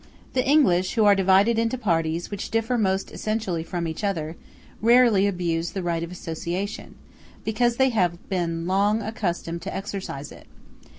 The English, who are divided into parties which differ most essentially from each other, rarely abuse the right of association, because they have long been accustomed to exercise it.